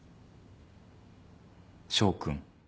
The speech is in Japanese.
翔君。